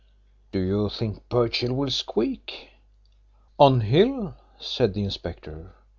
"' "Do you think Birchill will squeak?" "On Hill?" said the inspector.